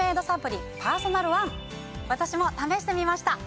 私も試してみました。